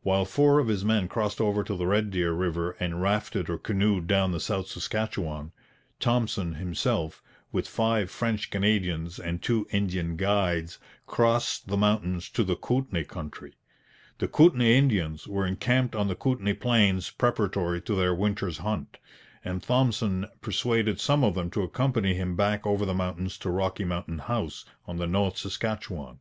While four of his men crossed over to the Red Deer river and rafted or canoed down the South Saskatchewan, Thompson himself, with five French Canadians and two Indian guides, crossed the mountains to the Kootenay country. The Kootenay Indians were encamped on the Kootenay plains preparatory to their winter's hunt, and Thompson persuaded some of them to accompany him back over the mountains to Rocky Mountain House on the North Saskatchewan.